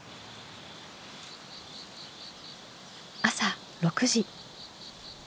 朝６時。